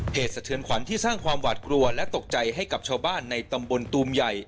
สะเทือนขวัญที่สร้างความหวาดกลัวและตกใจให้กับชาวบ้านในตำบลตูมใหญ่